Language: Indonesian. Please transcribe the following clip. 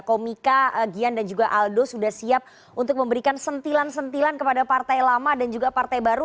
komika gian dan juga aldo sudah siap untuk memberikan sentilan sentilan kepada partai lama dan juga partai baru